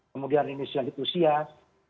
kemudian remisi yang ditusias